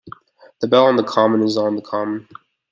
The "Bell on the Common" is on the common.